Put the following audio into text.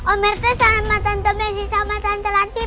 om rete sama tante messi sama tante ranti